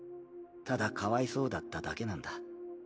ただかわいそうだっただけなんだ。